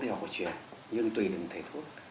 hiệu cổ truyền nhưng tùy từng thể thuốc